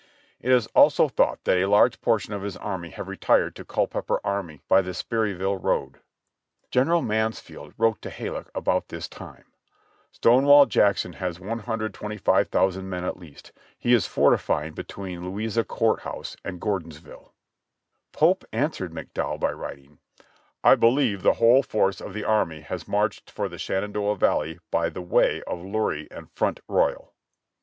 It is also thought that a large portion of his army have retired to Culpeper army by the Sperryville road." General Mansfield wrote to Halleck about this time: "Stonewall Jackson has 125,000 men at least. He is fortifying between Louisa Court House and Gordonsville." (Reb. Records, Vol. 51, p. 742.) Pope answered McDowell by writing: "I believe the whole force of the enemy has marched for the Shenandoah Valley by the way of Luray and Front Royal." (Reb. Records, Vol.